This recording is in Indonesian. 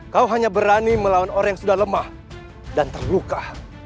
kau hanya berani melawan orang yang sudah lemah dan terluka